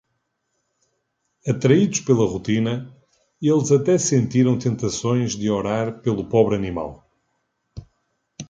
Atraídos pela rotina, eles até sentiram tentações de orar pelo pobre animal.